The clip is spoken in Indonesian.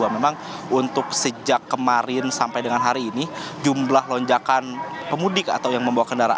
memang untuk sejak kemarin sampai dengan hari ini jumlah lonjakan pemudik atau yang membawa kendaraan